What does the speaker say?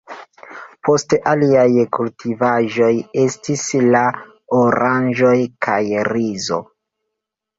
Poste aliaj kultivaĵoj estis la oranĝoj kaj rizo.